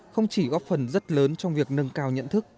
không chỉ góp phần rất lớn trong việc nâng cao nhận thức